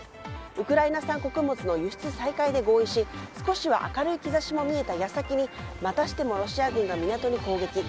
ウクライナ産穀物の輸出再開で合意し少しは明るい兆しも見えた矢先にまたしてもロシア軍が港に攻撃。